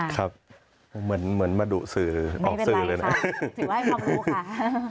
ครับเหมือนมาดุสื่อออกสื่อเลยนะไม่เป็นไรค่ะถือว่าให้พร้อมรู้ค่ะ